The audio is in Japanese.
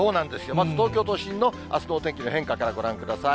まず東京都心のあすのお天気の変化からご覧ください。